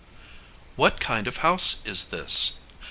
] What kind of house is this?